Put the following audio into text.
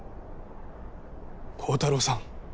幸太郎さん。